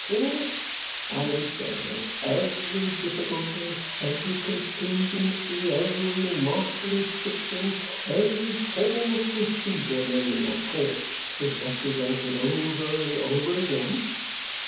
In which (I would say) every difficulty, every contingency, every masterly fiction, every form of procedure known in that court, is represented over and over again?